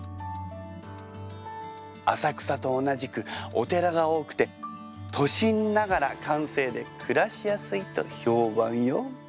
浅草と同じくお寺が多くて都心ながら閑静で暮らしやすいと評判よ。